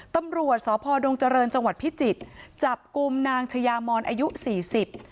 ตำรวจสพดงเจริญจังหวัดพิจิตรจับกลุ่มนางชายามอนอายุสี่สิบ